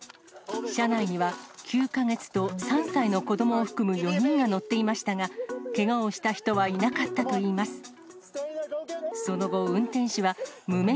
車内には９か月と３歳の子どもを含む４人が乗っていましたが、けがをした人はいなかったといいます。